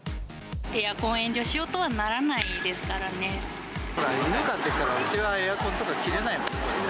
エアコンを遠慮しようとはな犬飼ってるから、うちはエアコンとか切れないもんね。